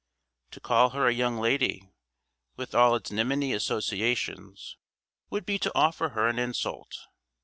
To call her a young lady, with all its niminy associations, would be to offer her an insult.